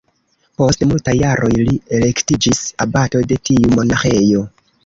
Post malmultaj jaroj li elektiĝis abato de tiu monaĥejo.